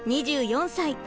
２４歳。